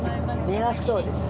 迷惑そうです！